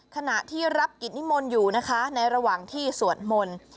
ขณะที่รับกิจนิมนต์อยู่นะคะในระหว่างที่สวดมนต์